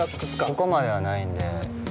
◆ここまではないんで、ね。